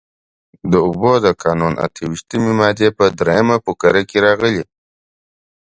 د اوبو قانون د اته ویشتمې مادې په درېیمه فقره کې راغلي.